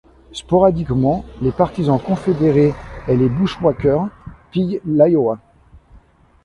Sporadiquement, les partisans confédérés et les bushwhackers pillent l'Iowa.